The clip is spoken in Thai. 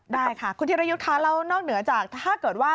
ได้ค่ะคุณธิรยุทธ์คะแล้วนอกเหนือจากถ้าเกิดว่า